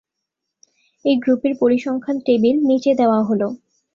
এই গ্রুপের পরিসংখ্যান টেবিল নিচে দেওয়া হলো।